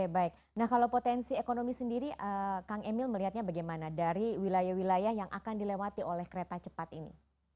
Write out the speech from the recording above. baik nah kalau potensi ekonomi sendiri kang emil melihatnya bagaimana dari wilayah wilayah yang akan dilewati oleh kereta cepat ini